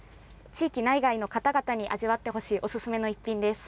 地域内外の方々に味わってほしいおすすめの一品です。